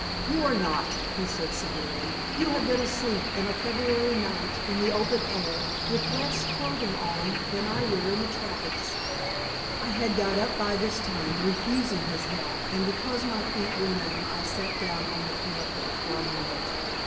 "You are not," he said severely. "You have been asleep in a February night, in the open air, with less clothing on than I wear in the tropics." I had got up by this time, refusing his help, and because my feet were numb, I sat down on the parapet for a moment.